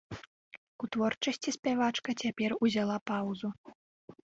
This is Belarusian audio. У творчасці спявачка цяпер узяла паўзу.